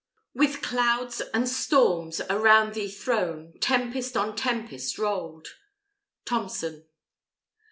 With clouds and storms Around thee thrown, tempest on tempest roll'd. Thomson.